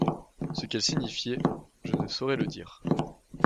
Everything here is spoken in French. Ce qu’elle signifiait, je ne saurais le dire.